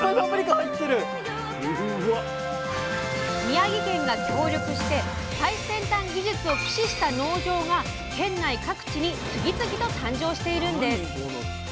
宮城県が協力して最先端技術を駆使した農場が県内各地に次々と誕生しているんです！